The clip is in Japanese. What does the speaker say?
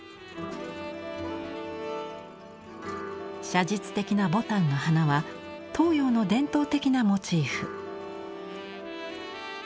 写実的な牡丹の花は東洋の伝統的なモチーフ。